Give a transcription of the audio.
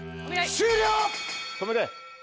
終了！